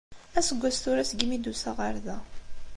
Aseggas tura segmi d-tusa ɣer da.